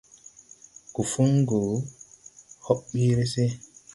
Gufungu hɔɓ ɓiiri se.